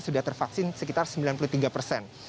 sudah tervaksin sekitar sembilan puluh tiga persen